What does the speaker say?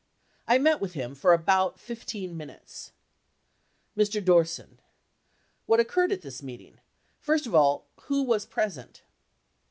I met with him for about 15 minutes. Mr. Dorset*. What occurred at this meeting? First of all, who was present